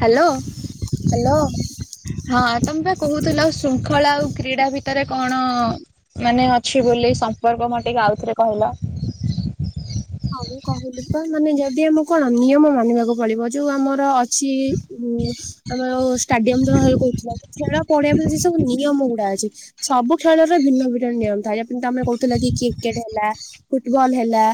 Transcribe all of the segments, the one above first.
Hello ହଁ, hello. ତମେ ବା କହୁଥିଲ ଶୃଙ୍ଖଳା ଆଉ କ୍ରୀଡା ଭିତରେ କଣ ମାନେ ଅଛି ବୋଲି ସମ୍ପର୍କ ମତ ଟିକେ ଆଉଥରେ କହିଲ। ହଁ, ମୁ କହିଲି ପା ମାନେ ଯଦି ଆମୁକୁ କଣ ନିୟମ ମାନିବାକୁ ପଡିବ, ଯୋଉ ଆମର ଅଛି ହୁଁ, ଆମର ଆଉ ଷ୍ଟାଡିୟମ୍ ଯ ହେ କହୁଥିଲ ଖେଳ ପଡିଆ ପାଇଁ ଯି ସବୁ ନିୟମ ଗୁଡା ଅଛି। ସବୁ ଖେଳରେ ଭିନ୍ନ ଭିନ୍ନ ନିୟମ ଥାଏ, ଆପିନ୍ ତମେ କହୁଥିଲ କି କ୍ରିକେଟ୍ ହେଲା। ଫୁଟବଲ୍ ହେଲା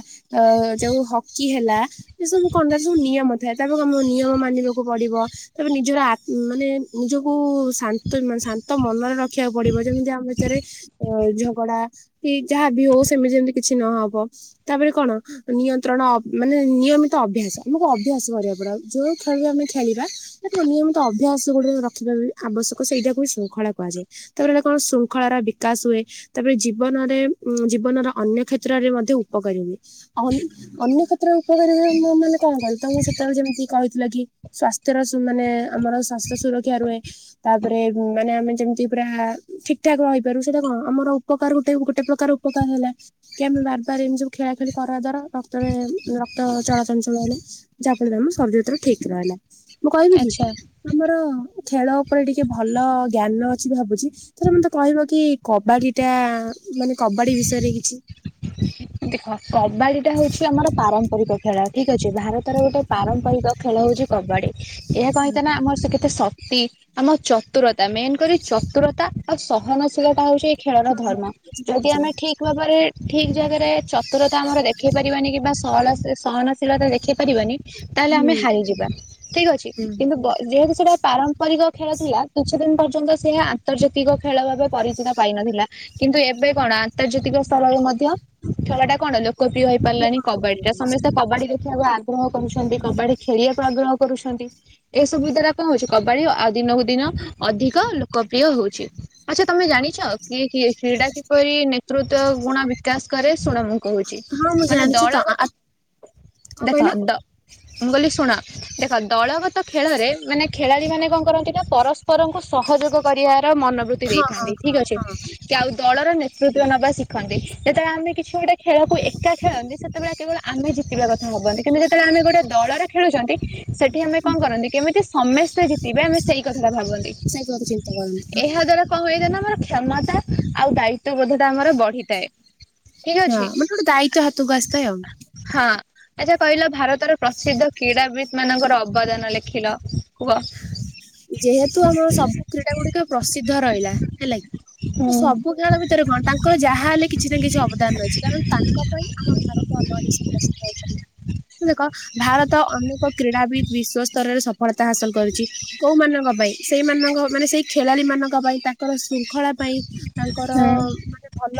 ଅଉ ଯୋଉ ହକି ହେଲା। ଏ ସବୁ କଣ ନା ସୁବୁ ନିୟମ ଥାଏ, ତାପରେ କଣ ମୁଁ ନିୟମ ମାନିବାକୁ ପଡିବ। ତାପରେ ନିଜର ଆତ୍ ମାନେ ନିଜକୁ ଶାନ୍ତନ୍ ମାନେ ଶାନ୍ତ ମନରେ ରଖିଆକୁ ପଡିବ। ଯେମିତି ଆମ୍ ଭିତରେ ଓ ଝଗଡା କି ଯାହା ବି ହଉ ସେମିତି ଯେମତି କିଛି ନହବ ତାପରେ କଣ? ଆଃ ନିୟନ୍ତ୍ରଣ ଅବ୍ ମାନେ ନିୟମିତ ଅଭ୍ୟାସ, ଆମୁକୁ ଅଭ୍ୟାସ କରିଆକୁ ପଡିବ ଆଉ ଯୋଉ ଖେଳିଅ ଆମେ ଖେଳିବା ସେଟା ନିୟମିତ ଅଭ୍ୟାସ ଗୋଟେର ରଖିବା ପାଇଁ ଆବଶ୍ୟକ ସେଇଟାକୁ ବି ଶୃଙ୍ଖଳା କୁହାଯାଏ। ତାପରେ ଏଗୁରା କଣ ଶୃଙ୍ଖଳାଟା ବିକାଶ୍ ହୁଏ। ତାପରେ ଜୀବନରେ ଉଁ ଜୀବନର ଅନ୍ୟ କ୍ଷେତ୍ରରେ ମଧ୍ୟ ଉପକାରୀଣି। ଅନ୍, ଅନ୍ୟ କ୍ଷେତ୍ରରେ ଉପକାରୀ ଭାବେ ମୁଁ ମାନେ କଣ କଇଲି ତମୁକୁ ସେତେବେଳେ ଯେମତି କହିଥିଲ କି ସ୍ଵାସ୍ଥ୍ୟର ସୁ ମାନେ ଆମର ସ୍ଵାସ୍ଥ୍ୟ ସୁରକ୍ଷା ରୁହେ। ତାପରେ ବୁ ମାନେ ଆମେ ଯେମିତି ପୁରା ଠିକ୍ ଠାକ୍ ରହିପାରୁ, ସେଇଟା କଣ ଆମର ଉପକାର ଗୋଟେ ଗୋଟେ ପ୍ରକାର ଉପ୍ ଉପକାର ହେଲା କି ଆମେ ବାର୍ ବାର୍ ଏମିତି ସବୁ ଖେଳା ଖେଳି ତାର ଅଜା ର ରକ୍ତରେ ରକ୍ତ ଚଳାଚଞ୍ଚଳ ହେଲେ ଯାହା ଫଳରେ ଆମ ଶରୀର ଭିତରେ ଠିକ୍ ରହିଲା। ମୁଁ କହିବି କି? ଆଚ୍ଛା। ତମର ଖେଳ ଉପରେ ଟିକେ ଭଲ ଜ୍ଞାନ ଅଛି ଭାବୁଚି। ଥରେ ମତେ କହିବ କି କବାଡି ଟା ମାନେ କବାଡି ବିଷୟରେ କିଛି। ଦେଖ କବାଡି ଟା ହଉଛି ଆମର ପାରମ୍ପରିକ ଖେଳ ଠିକ୍ ଅଛି। ଭାରତ୍ ତାର ଗୋଟେ ପାରମ୍ପରିକ ଖେଳ ହଉଚି କବାଡି। ଏହା ସହିତ ନା ଆମର ସେ କେତ୍ ତେ ଶକ୍ତି ଆମ ଚତୁରତା ମେନ୍ କରି ଚତୁରତା ଆଉ ସହନଶୀଳ ଟା ହଉଚି ଖେଳର ଧର୍ମ। ଯଦି ଆମେ ଠିକ୍ ଭାବରେ ଠିକ୍ ଜାଗାରେ ଚତୁରତା ଆମର ଦେଖେଇ ପାରିବାନି କି ବା ସକଳ ସେ ସହନଶୀଳତା ଦେଖେଇ ପାରିବାନି ତାହେଲେ ହୁଁ ଆମେ ହାରିଯିବା ଠିକ୍ ଅଛି। ହୁଁ। କିନ୍ତୁ ବ ଯେହେତୁ ସେଟା ପାରମ୍ପରିକ ଖେଳ ଥିଲା କିଛି ଦିନ ପର୍ଯ୍ୟନ୍ତ ସେ ଆ ଆନ୍ତର୍ଜାତିକ ଖେଳ ଭାବେ ପରିଚିତ ପାଇନଥିଲା। କିନ୍ତୁ ଏବେ କଣ ଆନ୍ତର୍ଜାତିକ ସ୍ତରରେ ମଧ୍ୟ ଖେଳଟା କଣ ଲୋକପ୍ରିୟ ହେଇ ପାରିଲାଣି କବାଡିଟା ସମେସ୍ତେ କବାଡି ଦେଖିବାକୁ ଆଗ୍ ଗ୍ରହ କରୁଛନ୍ତି, କବାଡି ଖେଳିବାକୁ ଆଗ୍ରହ କରୁଛନ୍ତି। ଏସବୁ ଦ୍ଵାରା କଣ ହଉଚି କବାଡି ଆଉ ଦିନକୁ ଦିନ ଅଧିକ ଲୋକପ୍ରିୟ ହଉଛି। ଆଚ୍ଛା ତମେ ଜାଣିଛ କିଏ କିଏ କ୍ରୀଡା କିପରି ନେତୃତ୍ତ୍ଵ ଗୁଣ ବିକାଶ କରେ ଶୁଣ ମୁଁ କହୁଚି, ହଁ ମୁଁ ମାନେ ଜାଣିଛି ତ ଦଳ ଆ ଗତ କଣ ଦେଖ କହିଲ ଦ ମୁଁ କହିଲି ଶୁଣ। ଦେଖ ଦଳଗତ ଖେଳରେ ମାନେ ଖେଳାଳି ମାନେ କଣ କରନ୍ତି ନା ପରସ୍ପରଙ୍କୁ ସହଯୋଗ କରିଆର ମନୋବୃତ୍ତି ହଁ ହଁ ଦେଇଥାନ୍ତି, ହଁ ଠିକ୍ ଅଛି। ହଁ। କି ଆଉ ଦଳର ନେତୃତ୍ୱ ନବା ଶିଖନ୍ତି। ଯେତବେଳେ ଆମେ କି ଛି ଗୋଟେ ଖେଳକୁ ଏକା ଖେଳନ୍ତି, ସେତେବେଳେ କେବଳ ଆମେ ଜିତ୍ ଜିତିବା କଥା ଭାବନ୍ତି, କିନ୍ତୁ ଯେତେବେଳେ ଆମେ ଗୋଟେ ଦଳରେ ଖେଳୁଛନ୍ତି ସେଠି ଆମେ କଣ କରନ୍ତି କେମିତି ସମେସ୍ତେ ଜିତିବେ ଆମେ ସେଇ କଥାଟା ଭାବନ୍ତି। ସେଇ ତ କଥା ଚିନ୍ତା କରନ୍ତି ହଁ। ଏହା ଦ୍ଵାରା କଣ ହୋଇଥାଏ ନା ଆମର କ୍ଷମତା ଆଉ ଦାୟିତ୍ଵ ବୋଧଟା ଆମର ବଢିଥାଏ। ଠିକ ହଁ ଅଛି ମନେକର ଗୋଟେ ଦାୟିତ୍ୱ ହାତକୁ ଆସିଥାଏ ଆଉ। ହଁ ଆଚ୍ଛା କହିଲ ଭାରତର ପ୍ରସିଦ୍ଧ କ୍ରୀଡ଼ାବିତ୍ ମାନଙ୍କର ଅବଦାନ ଲେଖିଲ। କୁହ। ଯେହେତୁ ଆମର ସବୁ କ୍ରୀଡା ଗୁଡିକ ପ୍ରସିଦ୍ଧ ରହିଲା ହେଲା କିି, ତ ସବୁ ହୁଁ। ବୂ ଖେଳ ଭିତରେ କଣ ତାଙ୍କର ଯାହାହେଲେ କିଛି ନା କିଛି ଅବଦାନ ରହିଛି, କାରଣ ତା କଣ ପାଇଁ ଆମ ଭାରତ ଅଲଗା ଦେଶରେ ପ୍ରସିଦ୍ଧ ହେଇପାରିବ। ତ ଦେଖ ଭାରତ ଅନେକ କ୍ରୀଡାବିତ୍ ବିଶ୍ଵସ୍ତରରେ ସଫଳତା ହାସଲ କରିଚି। କୋଉମାନଙ୍କ ପାଇଁ ସେଇମାନଙ୍କ ମାନେ ସେଇ ଖେଳାଳି ମାନଙ୍କ ପାଇଁ। ତାଙ୍କର ଶୃଙ୍ଖଳା ପାଇଁ। ତାଙ୍କର ମାନେ ଭଲ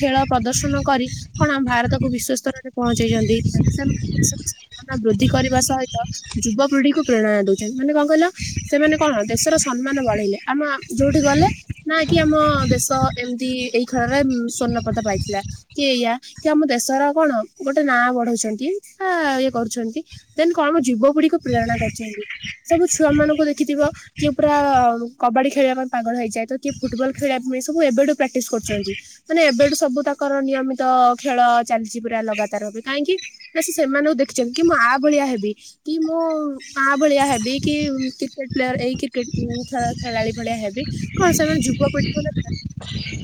ଖେଳ ପ୍ରଦର୍ଶନ କରି କଣ ଆମ ଭାରତକୁ ବିଶ୍ଵସ୍ତରରେ ପହଞ୍ଚେଇଚନ୍ତି। ସେମାନେ ଦେଶର ଭାବନା ବୃଦ୍ଧି କରିବା ସହିତ ଯୁବପିଢି କୁ ପ୍ରେରଣା ଦଉଛନ୍ତି, ମାନେ କଣ କହିଲ? ସେମାନେ କଣ ଦେଶର ସମ୍ମାନ ବଢେଇଲେ, ଆମ ଯୋଉଠି ଗଲେ ନା କି ଆମ ଦେଶ ଏମିତି ଏଇ ଖେଳରେ ଉଁ, ସ୍ଵର୍ଣ୍ଣପଦ ପାଇଥିଲା। କି ଏଇଆ କି ଆମ ଦେଶର କଣ ଗୋଟେ ନାଁ ବଢଉଛନ୍ତି, ବା ଇଏ କରୁଛନ୍ତି। ଦେନ୍ କଣ ଆମ ଯୁବପିଢିକୁ ପ୍ରେରଣା କରିଛନ୍ତି। ସବୁ ଛୁ ଛୁଆ ମାନଙ୍କୁ ଦେଖିଥିବ, କିଏ ପୁରା ଉଁ, କବାଡି ଖେଳିବା ପାଇଁ ପାଗଳ ହେଇଯାଏ ତ କିଏ ଫୁଟବଲ ଖେଳିବା ମୁଁ ଏ ସବୁ ଏବେଠୁ ପ୍ରାଟିସ୍ କରୁଛନ୍ତି। ମାନେ ଏବେଠୁ ସବୁ ତାକ୍ ତଙ୍କର ନିୟମିତ ଖେଳ ଚାଲିଛି ପୁରା ଲଗାତାର ଏବେ, କାଇଁକି ନା ସେ ସେମାନଙ୍କୁ ଦେଖିଛନ୍ତି କି ମୁଁ ଆ ଭଳିଆ ହେବି, କି ମୁଁ ଆ ଭଳିଆ ହେବି। କି ଉଁ, କ୍ରିକେଟ୍ ପ୍ଲେୟର୍ ଏଇ କ୍ରିକେଟ୍ ମୁଁ ଖେଳ ଖେଳାଳି ଭଳିଆ ହେବି। କଣ ସେମାନେ ଯୁବପିଢି ମନେ ରଖିଥାଆ।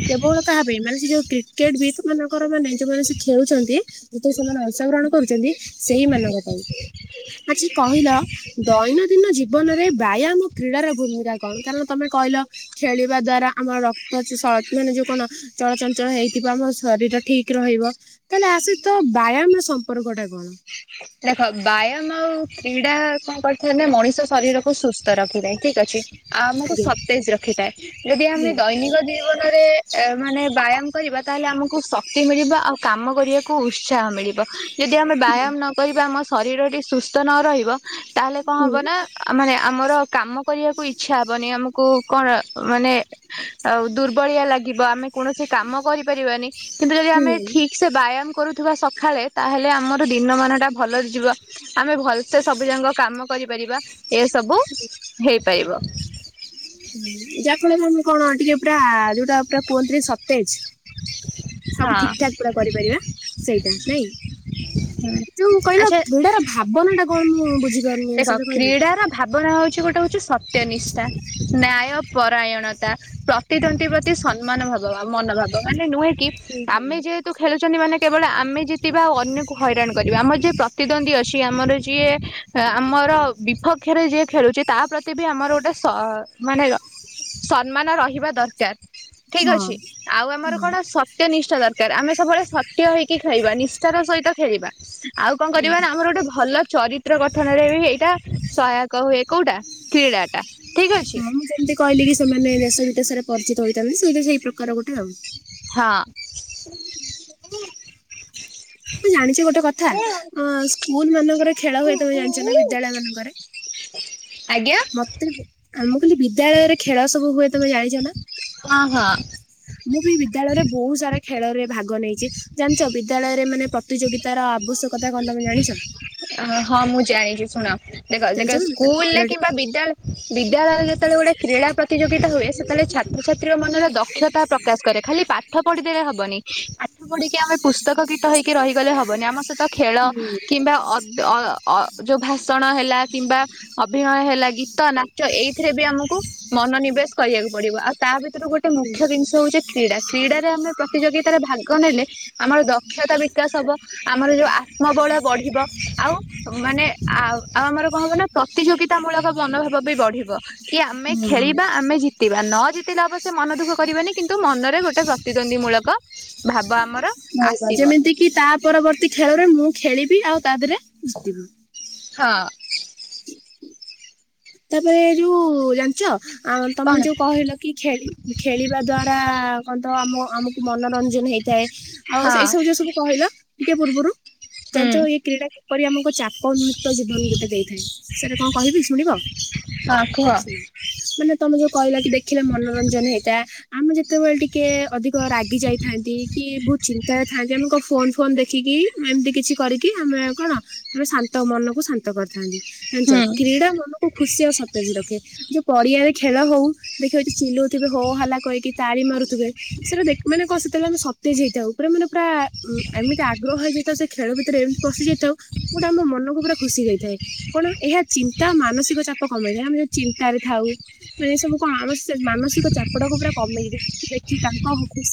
କେବଳ କାହା ପାଇଁ ମାନେ ସେ ଯୋଉ କ୍ରିକେଟ୍ ବିତ୍ ମାନଙ୍କର ମାନେ ଯୋଉମାନେ ସେ ଖେଳୁଛନ୍ତି। ଯେତକ ସେମାନେ ଅଂଶଗ୍ରହଣ କରୁଚନ୍ତି, ସେହି ମାନଙ୍କ ପାଇଁ। ଆଚ୍ଛା କହିଲ ଦୈନ ଜୀବନରେ ବ୍ୟାୟାମ କ୍ରୀଡାର ଭୂମିକା କଣ କାରଣ? ତୋମେ କହିଲ ଖେଳିବା ଦ୍ଵାରା ଆମର ରକ୍ତ ଅଛି ସ- ମାନେ ଯୋଉ କଣ? ଚଳଚଞ୍ଚଳ ହେଇଥିବ ଆମ ଶରୀର ଠିକ୍ ରହିବ। ତାହେଲେ ଆ ସହିତ ବ୍ୟାୟାମ ର ସମ୍ପର୍କ ଟା କଣ? ଦେଖ ବ୍ୟାୟାମ ଆଉ କ୍ରୀଡା କଣ କରିଥାଏ ନା ମଣିଷ ଶରୀରକୁ ସୁସ୍ଥ ରଖିଥାଏ ଠିକ୍ ଅଛି। ଆମକୁ ଆଜ୍ଞା ସତେଜ ରଖିଥାଏ, ଯଦି ହୁଁ ଆମେ ଦୈନିକ ଜୀ ଜୀବନରେ ଏ ମାନେ ବ୍ୟାୟାମ କରିବା ତାହେଲେ ଆମକୁ ଶକ୍ତି ମିଳିବ। ଆଉ କାମ କରିଆ କୁ ଉତ୍ସାହ ମିଳିବ। ଯଦି ଆମେ ବ୍ୟାୟାମ ନ କରିବା ଆମ ଶରୀରଟି ସୁସ୍ଥ ନ ରହିବ, ତାହେଲେ କଣ ହବ ନା ଆ, ମାନେ ଆମର କାମ କରିବାକୁ ଇଚ୍ଛା ହବନି, ଆମ କୁ କଣ ମାନେ ଆଉ ଦୁର୍ବଳିଆ ଲାଗିବ ଆମେ କୌଣସି କାମ କରିପାରିବାନି। କିନ୍ତୁ ଯଦି ଆମେ ହୁଁ ଠିକ ସେ ବ୍ୟାୟାମ କରୁଥିବା ସଖାଳେ, ତାହେଲେ ଆମର ଦିନମାନ ଟା ଭଲରେ ଯିବ, ଆମେ ଭଲସେ ସବୁ ଯାକ କାମ କରିପାରିବା। ଏସବୁ ହେ ପାଇବ। ଯାଫଳରେ ଆମେ କଣ ଟିକେ ପୁରା ଯୋଉଟା ପୁରା କୁହନ୍ତିନି ସତେଜ ହଁ ସବୁ ଠିକ୍ ଠାକ୍ ପୁରା କରିପାରିବା। ସେଇଟା ନାଇଁ, ହୁଁ ଯୋଉ କହିଲ ଆଚ୍ଛା କ୍ରୀଡାର ଭାବନା ଟା କଣ ମୁଁ ବୁଝି ଦେଖ କ୍ରୀଡ଼ାର ଭାବନା ହଉଛି ଗୋଟେ ହଉଛି ସତ୍ୟ ନିିଷ୍ଠା, ନ୍ୟାୟ ପରାୟଣତା ପ୍ର ତିନ୍ତତି ପ୍ରତି ସମ୍ମାନ ଭାବ ବା ମନୋଭାବ ମାନେ ନୁହେଁ କି ହୁଁ ହୁଁ। ଆମେ ଯେହେ ତୁ ଖେଳୁଛନ୍ତି ମାନେ କେବଳ ଆମେ ଜିତିବା ଆଉ ଅନ୍ୟକୁ ହଇରାଣ କରିବା, ଆମର ଯିଏ ପ୍ରତିଦ୍ୱନ୍ଦୀ ଅଛି, ଆମର ଯିଏ ହଁ ଆମର ବିଫକ୍ଷରେ ଯିଏ ଖେଳୁଚି ତା ପ୍ରତି ବି ଆମର ଗୋଟେ ସଅ- ମାନେ ସମ୍ମାନ ରହିବା ଦରକାର ଠିକ୍ ହଁ ଅଛି, ଆଉ ହଁ ଆମର କଣ ସ ତ୍ଯ ନିଷ୍ଠା ଦରକାର ଆମେ ସବୁବେଳେ ସତ୍ୟ ହେଇକି ଖେଳିବା ନିଷ୍ଠାର ସହିତ ଖେଳିବା। ଆଉ କଣ କରିବା ନା ଆମର ଗୋଟେ ଭଲ ଚରି ଚିତ୍ର ଗଠନରେ ବି ଏଇଟା ସହାୟକ ହୁଏ କୋଉଟା କ୍ରୀଡ଼ା ଟା। ଠିକ ଅଛି ହଁ ମୁଁ ଯେମିତି କହିଲି କି ସେମାନେ ଦେଶ ବିଦେଶରେ ପରିଚିତ ହେଇଥାନ୍ତି ସେଇଟ ସେଇ ପ୍ରକାର ଗୋଟେ ଆଉ। ହଁ। ମୁଁ ଜାଣିଛି ଗୋଟେ କଥା ଅ ସ୍କୁଲ ମାନଙ୍କର ଖେଳ ହୁଏ ତମେ ଜାଣିଛ ନା ବିଦ୍ୟାଳୟ ମାନଙ୍କରେ ଆଜ୍ଞା। ମତେ ଆମ କହିଲି ବିଦ୍ୟାଳୟରେ ଖେଳ ସବୁ ହୁଏ ତମେ ଜାଣିଛ ନା? ହ ହଁ ମୁଁ ବି ବିଦ୍ୟାଳୟରେ ବହୁତ ସାରା ଖେଳ ରେ ଭାଗ ନେଇଛି। ଜାଣିଛ ବିଦ୍ୟାଳୟରେ ମାନେ ପ୍ରତିଯୋଗିତାର ଆବଶ୍ୟକତା କଣ ତମେ ଜାଣିଛ? ହଁ ମୁଁ ଜାଇଁଲି ଶୁଣ ଦେଖ, ଜାଣିଛ ନା ମତେ କହିଲ ସ୍କୁଲରେ କିମ୍ବା ବିଦ୍ୟାଳ ବିଦ୍ୟାଳୟରେ ଯେତେବେଳେ ଗୋଟେ କ୍ରୀଡ଼ା ପ୍ରତିଯୋଗିତା ହୁଏ ସେତେବେଳେ ଛାତ୍ରଛାତ୍ରୀ ମନର ଦକ୍ଷତା ପ୍ରକାଶ କରେ ଖାଲି ପାଠ ପଢିଦେଲେ ହବନି। ପାଠ ପଢିକି ଆମେ ପୁସ୍ତକ ଗୀତ ହେଇକି ରହିଗଲେ ହବନି ଆମ ସହିତ ଖେଳ ଟିକେ? କିମ୍ବା ଅ ଅ ଅଯୋଗ ଭାଷଣ ହେଲା କିମ୍ବା ଅଭିନୟ ହେଲା ଗୀତ ନାଚ ଏଇଥିରେ ବି ଆମକୁ ମନୋନିବେଶ କରିବାକୁ ପଡିବ ଆଉ ତା ଭିତରୁ ଗୋଟେ ମୁଖ୍ୟ ଜିନିଷ ହେଉଛି କ୍ରୀଡ଼ା କ୍ରୀଡ଼ାରେ ଆମେ ପ୍ରତିଯୋଗିତାରେ ଭାଗ ନେଲେ ଆମର ଦକ୍ଷତା ବିକାଶ ହବ ଆମର ଯୋଉ ଆ ଆତ୍ମବଳ ବଢିବ ଆଉ ମାନେ ଆ ଆଉ ଆମର କଣ ହେବ ନା ପ୍ରତିଯୋଗି ମୂଳକ ମନୋଭାବ ବି ବଢିବ କି ଆମେ ହଁ ଖେଳିବା ଆମେ ଜି ଜିତିବା ନ ଜିତିଲେ ଅବଶ୍ୟ ମନ ଦୁଃଖ କରିବନି କିନ୍ତୁ ମନରେ ଗୋଟେ ପ୍ରତିଦ୍ୱନ୍ଦୀ ମୂଳକ ଭାବ ଆମର ରହିବ ଆସିବ ଯେମିତି କିି ତା ପରବର୍ତ୍ତୀ ଖେଳରେ ମୁଁ ଖେଳିବି ଆଉ ତା ଦେହରେ ଜିତିବି। ହଁ। ତାପରେ ଯୋଉ ଜାଣିଚ କଣ ତମେ ଯୋଉ କହିଲ କି ଖେଳି ଖେଳିବା ଦ୍ଵାରା କହ ତ ଆମ ଆମକୁ ମନୋରଞ୍ଜନ ହେଇଥାଏ। ଆଉ ହଁ ଏଇ ସବୁ ଜିନିଷକୁୁ କହିଲ ଟିକେ ପୂର୍ବରୁ ହୁଁ ଜାଣିଛ ଇଏ କ୍ରୀଡ଼ା କିପରି ଆମକୁ ଚାପ ଉ ମୁୁକ୍ତ ଜୀବନ ଗୋଟେ ଦେଇଥାଏ ସେଟା କଣ କହିବି ଶୁଣିବ? ହଁ କୁହ। ମାନେ ତମେ ଯୋଉ କହିଲ କି ଦେଖିଲେ ମନୋରଞ୍ଜନ ହେଇଯାଏ ଆମେ ଯେତେବେଳେ ଟିକେ କି ଅଧିକ ରାଗି ଯାଇଥାନ୍ତି କି ବହୁତ ଚିନ୍ତାାରେଥାନ୍ତି ଆମ କଣ ଫୋନ ଫୋନ ଦେଖିକି ଏମିତି କିଛି କରିକି ଆମେ କଣ ମେ ଶାନ୍ତ ମନକୁ ଶାନ୍ତ କରିଥାନ୍ତି। ଜାଣିଛ ହୁଁ କ୍ରୀଡ଼ା ମନକୁ ଖୁସି ଆଉ ସତେଜ ରଖେ। ଯୋଉ ପଡିଆରେ ଖେଳ ହଉ ଦେଖିଵ ଚିଲଉଥିବେ ହୋ ହଲା କହିକି ତାଳି ମାରୁଥିବେ ସେଇଟା ଦେ ମାନେ କଣ ସେତେବେଳେ ଆମେ ସତେ ଯଇଥାଉ ଉପରେ ମାନେ ପୁରା ଏମିତି ଆଗ୍ରହ ହେଇଯାଇଥା ସେ ଖେଳ ଭିତରେ ଏମିତି ପଶି ଯାଇଥାଉ ଗୋଉଟା ଆମ ମନକୁ ପୁରା ଖୁସି ଯାଇଥାଏ କଣ ଏହା ଚିନ୍ତା ମାନସିକ ଚା କମେଇନହି ଆମେ ଯଉ ଚିନ୍ତାରେ ଥାଉ। ମାନେ ସବୁ କଣ ଆମ ମାନସିକ ଚାପଟାକୁ ପୁରା କମେଇ ଦଉ ଦେଖି ତାଙ୍କ ଖୁ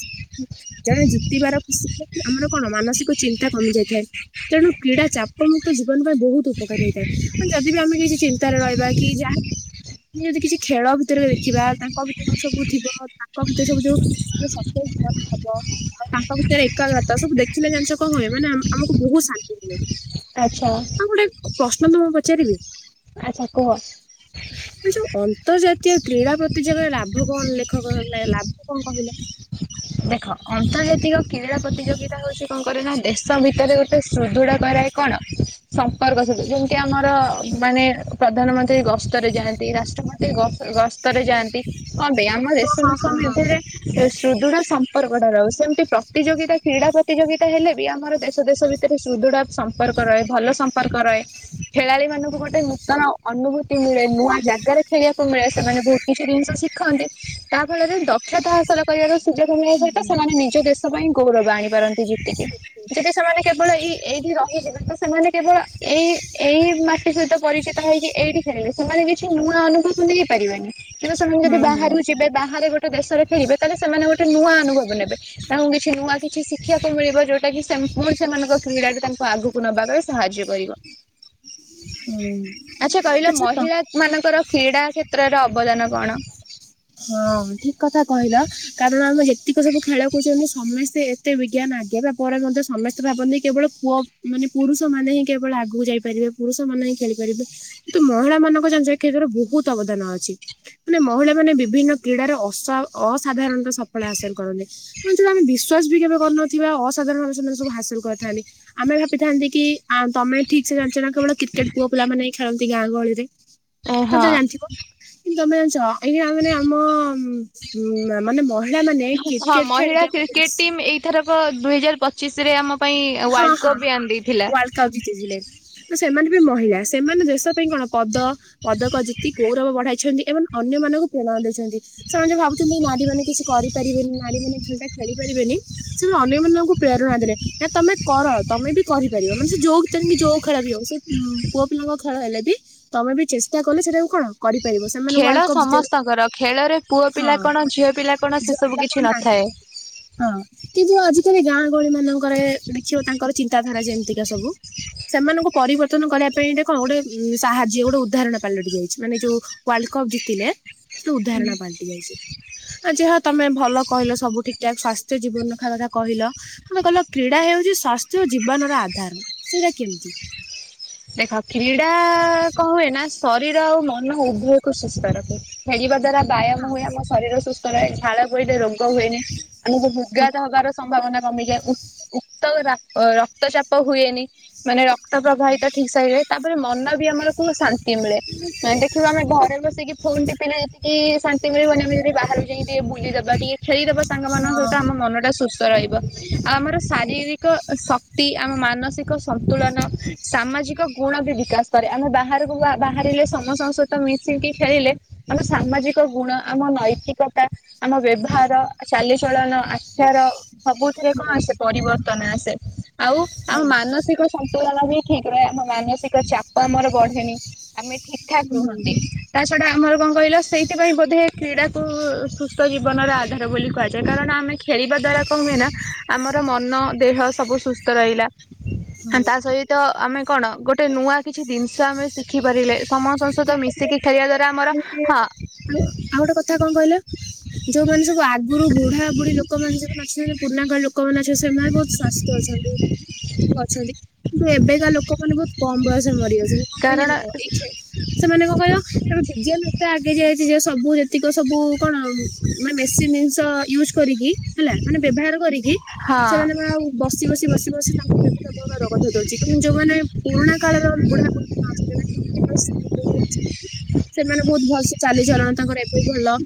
ଜଣେ ଜିତିବାର ଖୁସି ଆମର କଣ ମାନସିକ ଚିନ୍ତା କମି ଯାଇଥାଏ। ତେଣୁ କ୍ରୀଡ଼ା ଚାପମୁକ୍ତ ଜୀବନ ପାଇଁ ବହୁତ ଉପକାରୀ ହେଇଥାଏ ମ ଯଦି ବି ଆମେ କିଛି ତରେ ରହିବା କି ଯା ଯଦି କିଛି ଖେଳ ଭିତରେ ଦେଖିବା ତାଙ୍କ ଭିତରେ ବି ସବୁ ଥିବ ତାଙ୍କ ଭିତରେ ସବୁ ଯୋଉ ସବୁ ଭଲ ହବ। ଆଉ ତାଙ୍କ ଭିତରେ ଏକାଗ୍ରତା ସବୁ ଦେଖିଲେ ଜାଣିଛ କଣ ହୁଏ ମାନେ ଆମକୁ ବହୁତ ଶାନ୍ତି ମିଳେ। ଆଚ୍ଛା। ହଁ ଗୋଟେ ପ୍ରଶ୍ନ ତମକୁ ପଚାରିବି? ଆଚ୍ଛା କୁହ? ଯୋଉ ଅନ୍ତର୍ଜାତୀୟ କ୍ରୀଡ଼ା ପ୍ରତିଯୋଗାରେ ଲାଭ କଣ ଲେଖକ ହେଲା ଲାଭ କଣ କହିଲ? ଦେଖ ଅନ୍ତର୍ଜାତିକ କ୍ରୀଡ଼ା ପ୍ରତିଯୋଗିତା ହୋଉଚି କଣ କରେ ନା ଦେଶ ଭିତରେ ଗୋଟେ ସୁଦୃଢ କରାଇ କଣ? ସମ୍ପର୍କ ସୁ ଯେମିତି ଆମର ମାନେ ପ୍ରଧାନମନ୍ତ୍ରୀ ଗସ୍ତରେ ଯାଆନ୍ତି ରାଷ୍ଟ୍ରମନ୍ତ୍ରୀ ଗସ୍ତ ଗସ୍ତରେ ଯାଆନ୍ତି କପାଇଁ ଆମ ହଁ ଦେଶ ହଁ ଦେଶ ହଁ ହଁ। ମଧ୍ୟରେ ସୁଦୃଢ ସ ସମ୍ପର୍କଟା ରହୁ ସେମିତି ପ୍ରତିଯୋଗିତା କ୍ରୀଡ଼ା ପ୍ରତିଯୋଗିତା ହେଲେ ବି ଆମର ଦେଶ ଦେଶ ଭିତରେ ସୁଦୃଢ଼ ସମ୍ପର୍କ ରହେ ଭଲ ସମ୍ପର୍କ ରହେ। ଖେଳାଳି ମାନଙ୍କୁ ଗୋଟେ ନୂତନ ଅନୁଭୂତି ମିଳେ ନୂଆ ଜାଗାରେ ଖେଳିବାକୁ ମିଳେ ସେମାନେ ବୋହୁତ କିଛି ଜିନିଷ ଶିଖନ୍ତି ତା ଫଳରେ ଦକ୍ଷତା ହାସଲ କରିବାର ଅଛି। ହୁଁ ସହିତ ହୁଁ ସେମାନେ ନିଜ ଦେଶ ପାଇଁ ଗୌରବ ଆଣିପାରନ୍ତି ଯେତିକି ଯବେ ସେମାନେ କେବଳ ଏଇ ଏଇଠି ରହିଯିବେ ତ ସେମାନେ କେବଳ ଏଇ ଏଇ ମା ଟି ସହିତ ପରିଚିତ ହେଇକି ଏଇଠି ଖେଳିବେ ସେମାନେ କିଛି ନୂଆ ଅନୁଭବ ନେଇପାରିବେନି। କିନ୍ତୁ ସେମାନେ ଯଦି ହୁଁ ବାହାରୁ ଯିବେ ବାହାରେ ଗୋଟେ ଦେଶରେ ଖେଳିବେ ତାହେଲେ ସେମାନେ ଗୋଟେ ନୂଆ ଅନୁଭବ ନେବେ। ତାଙ୍କୁ କିଛି ନୂଆ କିଛି ଶିଖିବାକୁ ମିଳିବ ଯୋଉଟା କି ସେ ପୁଣି ସେମାନଙ୍କ କ୍ରୀଡ଼ାାରେ ତାଙ୍କୁ ଆଗକୁ ନବାପାଇଁ ସାହାଯ୍ୟ କରିବ ହୁଁ ଆଛା କହିଲ ଆଚ୍ଛା ତ ମହିଳା ମାନଙ୍କର କ୍ରୀଡ଼ା କ୍ଷେତ୍ରରେ ଅବଦାନ କଣ? ହଁ ଠିକ୍ କଥା କହିଲା। କାରଣ ଆମେ ଯେତିକ ସବୁ ଖେଳକରୁଚନ୍ତି ସମସ୍ତେ ଏତେ ବିଜ୍ଞାନ ଆଗେଇବା ପରେ ମଧ୍ୟ ସମସ୍ତେ ଭାବନ୍ତି କେବଳ କୁଅ ମାନେ ପୁରୁଷ ମାନେ ହିଁ କେବଳ ଆଗକୁ ଯାଇପାରିବେ ପୁରୁଷ ମାନେ ହିଁ ଖେଳିପାରିବେ କିନ୍ତୁ ମହିଳା ମାନଙ୍କ ଜାଣିଚ ଏ କ୍ଷତରେ ବୋହୁତ ଅବଦାନ ଅଛି ମାନେ ମହିଳା ମାନେ ବିଭିନ୍ନ କ୍ରୀଡାରେ ଅସ ଅସାଧାରଣତ ସଫଳ ହାସଲ କରନ୍ତି। କୁ ଯୋଉ ମାନେ ବିଶ୍ୱାସ ବି କେବେ କରିନଥିବା ଅସାଧାରଣ ଭାବେ ସେମାନେ ସବୁ ହାସଲ କରିଥାନ୍ତି। ଆମେ ଭାବିଥାନ୍ତି କି ଆଉ ତମେ ଠିକ୍ ସେ ଜାଣିଛ ନା କେବଳ କ୍ରିକେଟ ପୁଅ ପିଲାମାନେ ହ୍ନି ଖେଳନ୍ତି ଗାଁ ଗହଳିରେ ଏ ତ ହଁ। ତେ ଜାଣିିଥିବ? କିନ୍ତୁ ତମେ ଜାଣିଚ? ଆଜ୍ଞା ମାନେ ଆମ ମାନେ ମହିଳା ମାନେ କ୍ରିକେଟ ଖେଳିକି ଆମ ଦେଶ ଏଥରକ ଦୁଇ ହଜାର ପଚିଶି ରେ ଆମ ପାଇଁ ହଁ ୱାର୍ଲଡ ହଁ କପ୍ ବି ଆଣିଦେଇଥିଲା। ୱାର୍ଲଡ କପ୍ ଜିତିଥିଲେ ତ ସେମାନେ ବି ମହିଳା ସେମାନେ ଦେଶ ପାଇଁ କଣ ପଦ ପଦକ ଜିତି ଗୌରବ ବଢାଇଛନ୍ତି ଏବଂ ଅନ୍ୟ ମାନଙ୍କୁ ପ୍ରେରଣା ଦେଇଚନ୍ତି। ସେମାନେ ଭାବୁଚନ୍ତି ନାରୀ ମାନ କିଛି କରିପାରିବେନି ନାରୀ ମାନେ ଖେଳଟା ଖେଳି ପାରିବେନି ସେବା ଅନ୍ୟ ମାନଙ୍କୁ ପ୍ରେରଣା ଦେଲେ। ତମେ କର ତମେ ବି କରିପାରିବ ମାନେ ସେ ଯୋଉ ତେଣିକି ଯୋଉ ଖେଳ ବି ହୋଉ ସେ ପୁଅ ପିଲାଙ୍କ ଖେଳ ହେଲେ ବି ତମେ ବି ଚେଷ୍ଟା କଲେ ସେଟାକୁ କଣ କରିପାରିବ ସେମାନେ ୱାର୍ଲଡ ଖେଳ କପ୍ ଜିତେଇଲେ ସମସ୍ତଙ୍କର ଖେଳରେ ପୁଅ ହଁ। ପିଲା କଣ ଝିଅ ପିଲା କଣ ଶେଷବୁ ଝିଅପିଲା କିଛି କରୁନାହାନ୍ତି ନଥାଏ। ହଁ କିନ୍ତୁ ଆଜିକାଲି ଗାଁ ଗହଳି ମାନଙ୍କରେ ଦେଖିବ ତାଙ୍କର ଚିନ୍ତାଧାରା ଯେମିତିକା ସବୁ। ସେମାନଙ୍କୁ ପରିବର୍ତ୍ତନ କରିବା ପାଇଁ ଏଇଟା କଣ ଗୋଟେ ସାହାଯ୍ୟ ଗୋଟେ ଉଦାହରଣ ପାଲଟି ଯାଇଛି ମାନେ ଯୋଉ ୱାର୍ଲଡ କପ୍ ଜିତିଲେ ତ ଉଦାହରଣ ପାଲଟି ଯାଉଚି। ଆଜି ହଁ ତମେ ଭଲ କହିଲ ସବୁ ଠିକ୍ ଠାକ୍ ସଵାସ୍ଥ୍ୟ ଜୀବନ ରଖା କଥା କହିଲ। ମତେ କହିଲ କ୍ରୀଡ଼ା ହେଉଚି ସ୍ଵାସ୍ଥ୍ୟ ଜୀବନର ଆଧାର ସେଇଟା କେମିତି? ଦେଖ କ୍ରୀଡ଼ା କ ହୁଏ ନା ଶରୀର ଆଉ ମନ ଉଭୟକୁ ସୁସ୍ଥ ରଖେ। ଖେଳିବା ଦ୍ଵାରା ବ୍ୟାୟାମ ହଁ ହୁଏ ଆମ ଶରୀର ସୁସ୍ଥ ରହେ ଝାଳ ବୋହିଲେ ରୋଗ ହୁଏନି। ଆମୁକୁ ବୁ ବୁଗାତ ହବାର ସମ୍ଭାବନା କମିଯାଏ। ଉ ଉକ୍ତ ରକ୍ ରକ୍ତଚାପ ହୁଏନି ମାନେ ରକ୍ତ ପ୍ରବାହିତ ଠିକ ସେ ତାପରେ ମନ ବି ଆମର ମନ ବୀ ଆମର କଣ ସା ମିଏ ଦେଖିବା ଆମେ ଘରେ ବସେଇକି ଫୋନ ଟିପିଲେ କି ଶାନ୍ତି ମିଳିବ ନା ଆମେ ଯଦି ବାହାରକୁ ଯାଇକି ଟିକେ ବୁଲିଦବା ଟିକେ ଖେଳିଦେବ ସାଙ୍ଗମାନଙ୍କ ସହିତ ଆମ ମନଟା ସୁସ୍ଥ ରହିବଆଉ ଆମର ହଁ ଶାରୀରିକ ଶ ତିି ଆମ ମାନସିକ ସନ୍ତୁଳନ ସାମାଜ ଅଧିକ ଗୁଣ ବି ବିକାଶ କରେ। ଆମେ ବାହାରକୁ ବାହାରିଲେ ସମସ୍ତଙ୍କ ସହିତ ମିଶିକି ଖେଳିଲେ ଆମ ସାମାଜିକ ଗୁଣ ଆମ ନୈତିକତା ଆମ ବ୍ୟବହାର ଚାଲିଚଳନ ଆଚର ସବୁଥିରେ କଣ ଆସେ ପରିବର୍ତ୍ତନ ଆସେ ଆଉ ଆମ ହଁ ମାନସିକ ସନ୍ତୁଳନା ବି ଠିକ ପୁରା ଆମ ମାନସିକ ଚାପ ଆମର ବଢେନି ଆମେ ଠିକ ଠାକ ହଁ ରୁହନ୍ତି। ତା ଛଡ଼ା ଆମର କଣ କହିଲ ସେଇଥିପାଇଁ ବୋଧେ କ୍ରୀଡ଼ାକୁ ସୁସ୍ଥ ଜୀବନର ଆଧାର ବୋଲି କୁହାଯାଏ କାରଣ ଆମେ ଖେଳିବା ଦ୍ୱାରା କଣ ହୁଏ ନା ଆମର ମନ ଦେହ ସବୁ ସୁସ୍ଥ ରହିଲା। ହଁ ତା ସହିତ ଆମେ କଣ ଗୋଟେ ନୂଆ କିଛି ଜିନିଷ ଆମେ ଶିଖିପାରିଲେ ସମସ୍ତଙ୍କ ସହିତ ତାପରେ ମିଶିକି ଖେଳିବା ଦ୍ଵାରା ଆଉ ଆମର ଗୋଟେ ହଁ ଆଉ ଆଉ ଗୋଟେ କଥା କଣ କହିଲ। ଯୋଉମାନେ ସବୁ ଆଗରୁ ବୁଢା ବୁଢୀ ଲୋକମାନେ ଯୋଉମାନେ ଅଛନ୍ତି ପୁରୁଣା କାଳ ଲୋକମାନେ ଅଛନ୍ତି ସେମାନେ ବହୁତ ସ୍ଵାସ୍ଥ୍ୟ ଅଛନ୍ତି। ହ ଅଛନ୍ତି। କିନ୍ତୁ ଏବେକା ଲୋକମାନେ ବହୁତ କମ ବୟସରେ ମରି ଯାଉଛନ୍ତି କଣ ପାଇଁ କାରଣ ଜାଣିଛ ଇଛା ସେମାନେ କଣ କହିଲ ଏବେ ବିଜ୍ଞାନ ଏତେ ଆଗେଇ ଯାଇଛି ଯେ ସବୁ ଯେତିକ ସବୁ କଣ ମେସିନ୍ ଜିନିଷ ୟୁଜ କରିକି ହେଲା ମାନେ ବ୍ୟବହାର କରିକି ହଁ ସେମାନେ ପା ଆଉ ବସି ବସି ବସି ବସି ତାଙ୍କ ବିଭିନ୍ନ ରୋଗ ଧରିଦୋଉଛି। କିନ୍ତୁ ଯୋଉମାନେ ପୁରୁଣା କାଳର ବୁଢା ସେମାନେ ବହୁତ ଭଲସେ ଚାଲିଚଲନ୍ ତାଙ୍କର ଏବେ ଭଲ